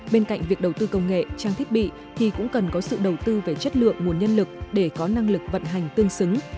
bên cạnh việc đầu tư công nghệ trang thiết bị thì cũng cần có sự đầu tư về chất lượng nguồn nhân lực để có năng lực vận hành tương xứng